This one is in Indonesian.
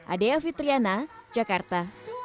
adea fitriana jakarta